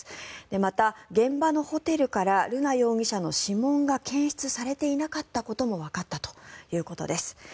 また、現場のホテルから瑠奈容疑者の指紋が検出されていなかったこともわかったということです。